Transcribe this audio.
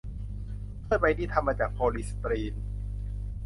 ถ้วยใบนี้ทำมาจากโพลีสตีรีน